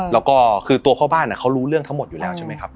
แล้วก็คือตัวพ่อบ้านเขารู้เรื่องทั้งหมดอยู่แล้วใช่ไหมครับ